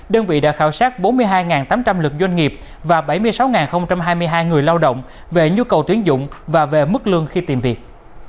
đơn vị đã khảo sát bốn mươi hai tám trăm linh lực doanh nghiệp và bảy mươi sáu hai mươi hai người lao động về nhu cầu tuyến dụng và về mức lương khi tìm việc